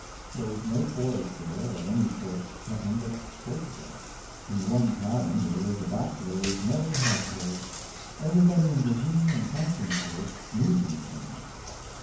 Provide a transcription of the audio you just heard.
There was no forest there of any sort nothing but sage brush. In the one cabin there lived a bachelor with no household. Everybody in Virginia and Carson, of course, knew these things.